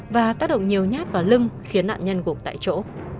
và tác động nhiều nhát vào lưng khiến nạn nhân gục tại chỗ